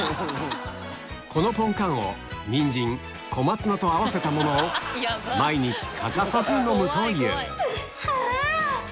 このポンカンをにんじん小松菜と合わせたものを毎日欠かさず飲むというぷっは！